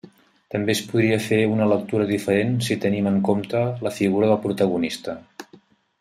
També es podria fer una lectura diferent si tenim en compte la figura del protagonista.